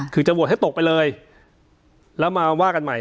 คือจะโหวตให้ตกไปเลยแล้วมาว่ากันใหม่